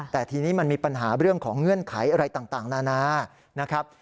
แต่ทีนี้มันมีปัญหาเรื่องของเงื่อนไขอะไรต่างนานานะครับ